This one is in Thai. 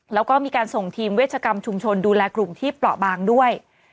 แล้วก็มีการส่งทีมเวชกรรมชุมชนดูแลกลุ่มที่เปราะบางด้วย